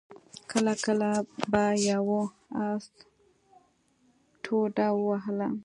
کله کله به يوه آس ټوډه ووهله.